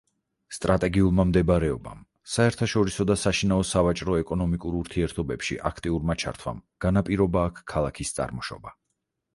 სტრატეგიულმა მდებარეობამ, საერთაშორისო და საშინაო სავაჭრო ეკონომიკურ ურთიერთობებში აქტიურმა ჩართვამ განაპირობა აქ ქალაქის წარმოშობა.